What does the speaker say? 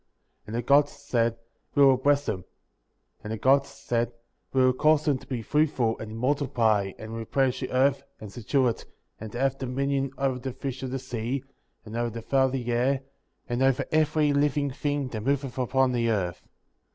28. And the Gods said : We will bless them* And the Gods said : We will cause them to be fruitful, and multiply, and replenish the earth, and subdue it, and to have dominion over the fish of the sea, and over the fowl of the air, and over every living thing that moveth upon the earth.